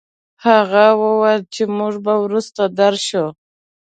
هغه وويل چې موږ به وروسته درشو.